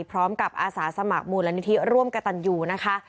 พร้อมกับอาสาสมัครมูลณิธีร่วมกระตันอยู่นะคะ